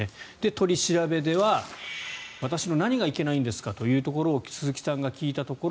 取り調べでは、私の何がいけないんですかということを鈴木さんが聞いたところ